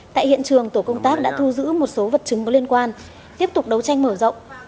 tại hiện trường tổ công tác đã thu giữ một số vật chứng có liên quan tiếp tục đấu tranh mở rộng